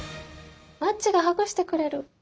「マッチがハグしてくれる」。